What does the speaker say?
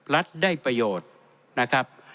รัฐได้ประโยชน์นะครับ